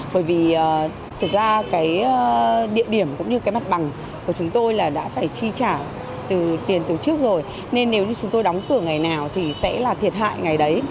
bởi vì thực ra cái địa điểm cũng như cái mặt bằng của chúng tôi là đã phải chi trả từ tiền từ trước rồi nên nếu như chúng tôi đóng cửa ngày nào thì sẽ là thiệt hại ngày đấy